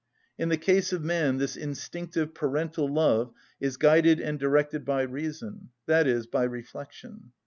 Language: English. In the case of man this instinctive parental love is guided and directed by reason, i.e., by reflection.